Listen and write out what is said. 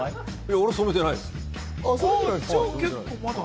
俺、染めてないです。